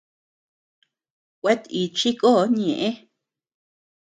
Kuetíchi kon ñeʼë.